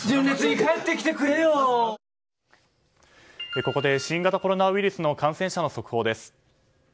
ここで新型コロナウイルスの感染者の速報です。